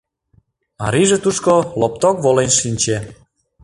Марийже тушко лопток волен шинче.